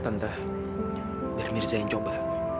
tentang mirza yang coba